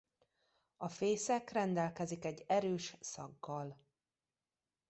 A fészek rendelkezik egy erős szaggal.